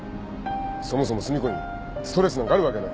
そもそも寿美子にストレスなんかあるわけない。